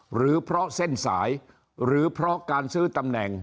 หรือเพราะเส้นสายหรือเพราะการซื้อตำแหน่ง